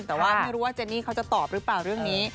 แต่ว่าไม่รู้ว่าเจนี่เขาจะตอบหรือเปล่าเรื่องนี้